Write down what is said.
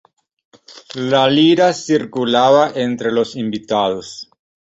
La lira circulaba entre los invitados.